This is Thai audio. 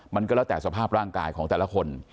มันก็แล้วแต่สภาพร่างกายของแต่ละคน